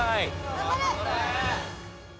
頑張れ！